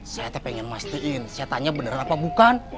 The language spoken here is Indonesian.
saya teh pengen mastiin setannya bener apa bukan